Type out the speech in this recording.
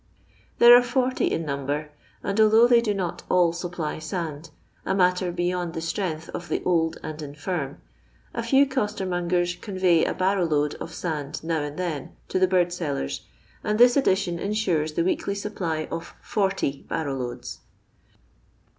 They are 40 in number, and although they do not all supply sand, a matter beyond the strength of the old and infirm, a few eostermongers convey .a boirrow load of sand now and then to the bird sellers, and this addition ensures the weekly sup ply of 40 barrow loads.